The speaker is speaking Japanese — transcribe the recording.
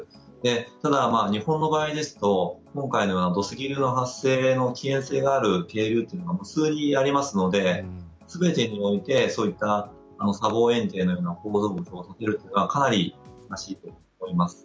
ただ、日本の場合ですと今回のような土石流の危険性がある渓流というのは無数にありますので全てにおいてそういった砂防えん堤のような構造物を建てるというのはかなり難しいと思います。